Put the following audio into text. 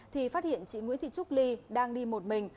thì phát hiện chị nguyễn thị trúc ly đang đi một mình